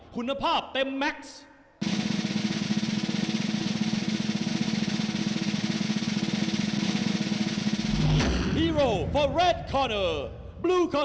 แต่น่าเป็นเอกจะดูครับ